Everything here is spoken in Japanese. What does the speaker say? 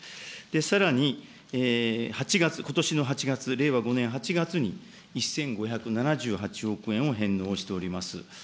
さらに８月、ことしの８月、令和５年８月に１５７８億円を返納をしております。